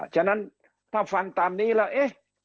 ฉะนั้นถ้าฟังตามนี้แล้วเอ๊ะ